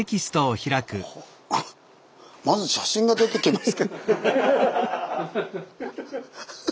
あっまず写真が出てきますけど。